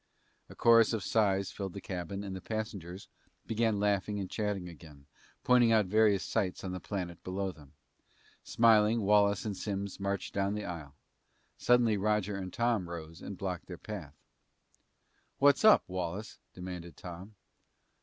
A chorus of sighs filled the cabin and the passengers began laughing and chatting again, pointing out various sights on the planet below them. Smiling, Wallace and Simms marched down the aisle. Suddenly Roger and Tom rose and blocked their path. "What's up, Wallace?" demanded Tom.